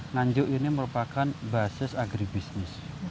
nganjung ini merupakan basis agribusiness